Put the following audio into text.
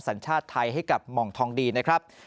สัญชาติไทยให้กับหม่องทองดีนะครับ